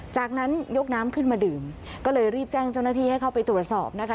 จากนั้นยกน้ำขึ้นมาดื่มก็เลยรีบแจ้งเจ้าหน้าที่ให้เข้าไปตรวจสอบนะคะ